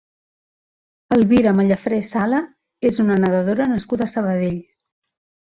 Elvira Mallafré Sala és una nedadora nascuda a Sabadell.